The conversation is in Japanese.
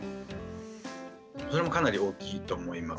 それもかなり大きいと思います。